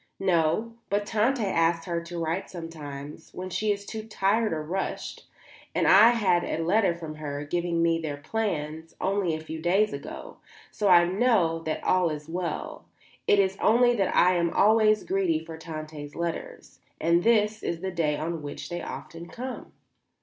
"No; but Tante asks her to write sometimes, when she is too tired or rushed; and I had a letter from her, giving me their plans, only a few days ago; so that I know that all is well. It is only that I am always greedy for Tante's letters, and this is the day on which they often come."